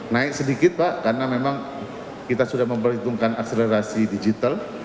naik sedikit pak karena memang kita sudah memperhitungkan akselerasi digital